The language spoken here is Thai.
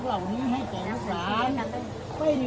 สวัสดีทุกคน